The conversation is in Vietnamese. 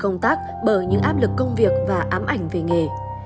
những áp lực công việc và ám ảnh về nghề